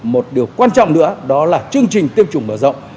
một điều quan trọng nữa đó là chương trình tiêm chủng mở rộng